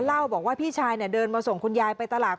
เล่าบอกว่าพี่ชายเดินมาส่งคุณยายไปตลาด